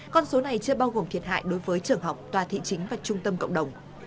con số này chưa bao gồm thiệt hại đối với trường học tòa thị chính và trung tâm cộng đồng